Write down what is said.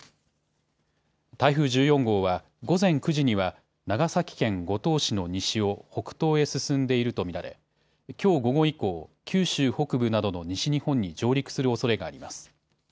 台風１４号は午前９時には長崎県五島市の西を北東へ進んでいると見られ、きょう午後以降、九州北部などの西日本に上陸するおそれがあります。